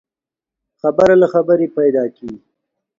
خبره له خبري پيدا کېږي.